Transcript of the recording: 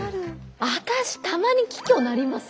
私たまに気虚なります。